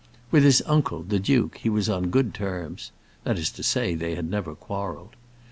With his uncle, the duke, he was on good terms that is to say, they had never quarrelled.